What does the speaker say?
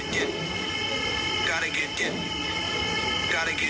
ต้องกินตาย